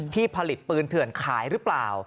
ที่ผลิตปืนเถื่อนขายหรือเปล่า